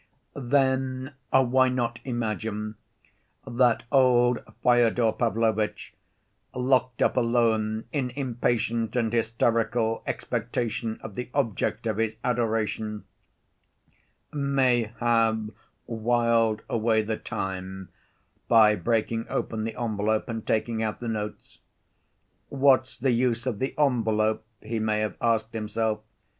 Then why not imagine that old Fyodor Pavlovitch, locked up alone in impatient and hysterical expectation of the object of his adoration, may have whiled away the time by breaking open the envelope and taking out the notes. 'What's the use of the envelope?' he may have asked himself.